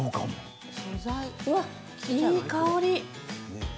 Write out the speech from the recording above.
うわ、いい香り。